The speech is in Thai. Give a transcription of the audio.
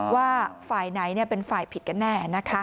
ว่าฝ่ายไหนเป็นฝ่ายผิดกันแน่